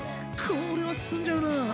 これはすすんじゃうな。